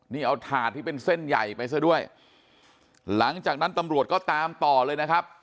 นี่เอาถาดที่เป็นเส้นใหญ่ไปซะด้วยหลังจากนั้นตำรวจก็ตามต่อเลยนะครับ